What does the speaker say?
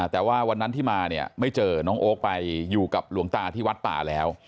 แต่ว่าวันนั้นที่มาเนี่ยไม่เจอน้องโอ๊คไปอยู่กับหลวงตาที่วัดป่าแล้ว